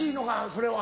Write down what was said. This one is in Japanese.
それは。